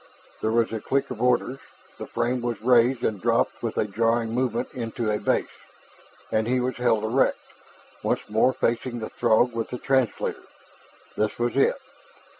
There was a click of orders; the frame was raised and dropped with a jarring movement into a base, and he was held erect, once more facing the Throg with the translator. This was it!